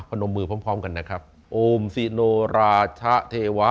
พนมมือพร้อมกันนะครับ